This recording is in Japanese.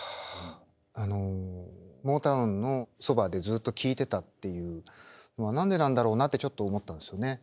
あのモータウンのそばでずっと聴いてたっていうのは何でなんだろうなってちょっと思ったんですよね。